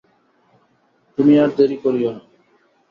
তুমি আর দেরি করিয়ো না।